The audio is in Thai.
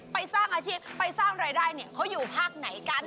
สร้างอาชีพไปสร้างรายได้เนี่ยเขาอยู่ภาคไหนกัน